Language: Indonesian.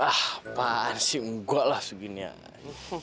ah apaan sih gua langsung gini aja